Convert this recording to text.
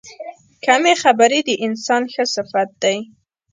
کمې خبرې، د انسان ښه صفت دی.